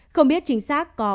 không biết chính xác có